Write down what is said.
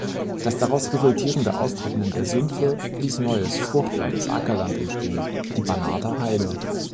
Das daraus resultierende Austrocknen der Sümpfe ließ neues, fruchtbares Ackerland entstehen, die Banater Heide.